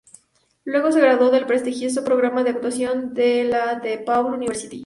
Luego se graduó del prestigioso programa de actuación de la DePaul University.